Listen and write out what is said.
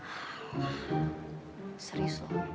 alah serius om